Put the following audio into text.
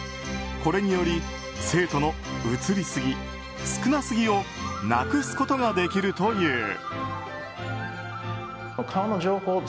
これにより生徒の写りすぎ少なすぎをなくすことができるという。